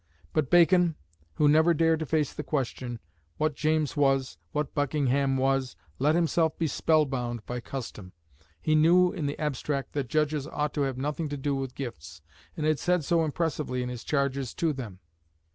But Bacon, who never dared to face the question, what James was, what Buckingham was, let himself be spellbound by custom. He knew in the abstract that judges ought to have nothing to do with gifts, and had said so impressively in his charges to them.